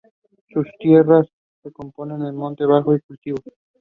Bach had included the first stanza of that hymn "in his St Matthew Passion".